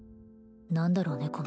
何だろうね